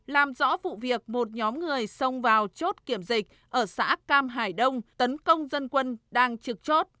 làm rõ vụ việc một nhóm người xông vào chốt kiểm dịch ở xã cam hải đông tấn công dân quân đang trực chốt